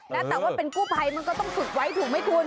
แต่ว่าเป็นกู้ภัยมันก็ต้องฝึกไว้ถูกไหมคุณ